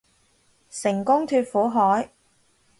成功脫苦海